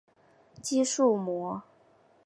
肌束膜。